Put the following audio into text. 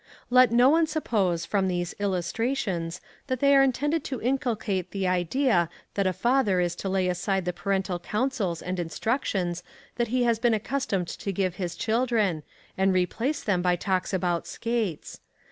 Let no one suppose, from these illustrations, that they are intended to inculcate the idea that a father is to lay aside the parental counsels and instructions that he has been accustomed to give to his children, and replace them by talks about skates!